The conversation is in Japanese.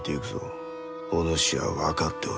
お主は分かっておろう？